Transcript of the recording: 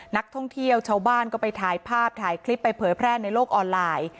นักท่องเที่ยวชาวบ้านก็ไปถ่ายภาพถ่ายคลิปไปเผยแพร่ในโลกออนไลน์